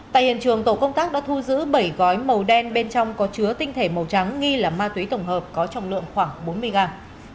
tại hiện trường tổ công tác đã thu giữ bảy gói màu đen bên trong có chứa tinh thể màu trắng nghi là ma túy tổng hợp có trọng lượng khoảng bốn mươi gram